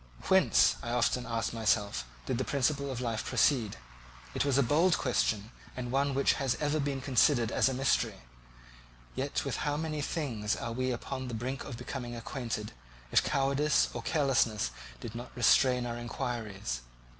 Whence, I often asked myself, did the principle of life proceed? It was a bold question, and one which has ever been considered as a mystery; yet with how many things are we upon the brink of becoming acquainted, if cowardice or carelessness did not restrain our inquiries.